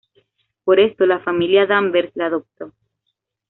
Por esto la familia Danvers la adoptó.